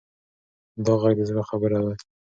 دا غږ د زړه خبره وه.